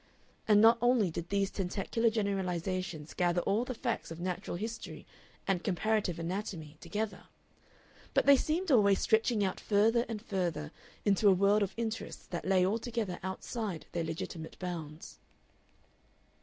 And not only did these tentacular generalizations gather all the facts of natural history and comparative anatomy together, but they seemed always stretching out further and further into a world of interests that lay altogether outside their legitimate bounds.